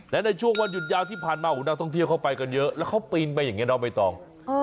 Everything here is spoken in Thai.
และในช่วงวันหยุดยาวที่ผ่านมานักท่องเที่ยวเขาไปกันเยอะแล้วเขาปีนไปอย่างนี้น้องใบตอง